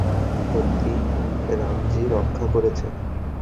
সত্যিই, রামজি রক্ষা করেছে।